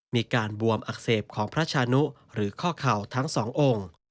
มีการบวมอักเสบของพระชานุหรือข้อเข่าทั้งสององค์